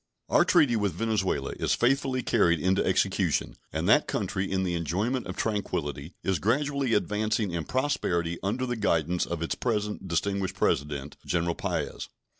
Our treaty with Venezuela is faithfully carried into execution, and that country, in the enjoyment of tranquillity, is gradually advancing in prosperity under the guidance of its present distinguished President, General Paez.